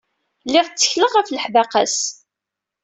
Lliɣ ttekleɣ ɣef leḥdaqa-s.